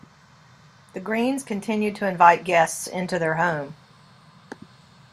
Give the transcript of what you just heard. The Greens continued to invite guests into their home.